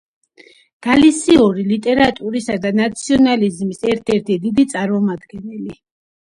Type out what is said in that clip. გალისიური ლიტერატურის და ნაციონალიზმის ერთ-ერთი დიდი წარმომადგენელი.